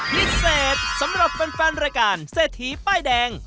พิเศษสำหรับแฟนรายการเศรษฐีป้ายแดง